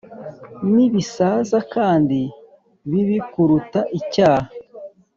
nibisaza kandi bibi kuruta icyaha, -